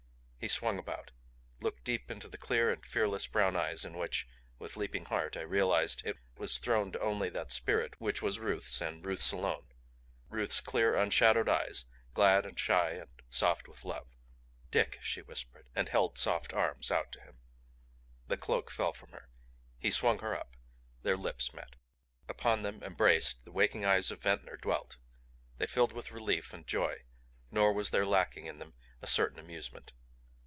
He swung about, looked deep into the clear and fearless brown eyes in which with leaping heart I realized it was throned only that spirit which was Ruth's and Ruth's alone; Ruth's clear unshadowed eyes glad and shy and soft with love. "Dick!" she whispered, and held soft arms out to him. The cloak fell from her. He swung her up. Their lips met. Upon them, embraced, the wakening eyes of Ventnor dwelt; they filled with relief and joy, nor was there lacking in them a certain amusement.